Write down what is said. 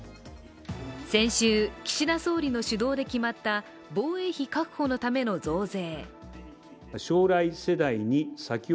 先週、岸田総理の主導で決まった防衛費確保のための増税。